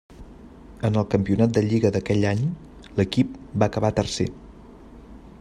En el campionat de Lliga d'aquell any l'equip va acabar tercer.